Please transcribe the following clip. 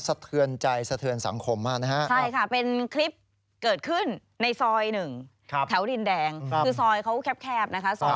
สะเทือนใจสะเทือนสังคมมากนะครับ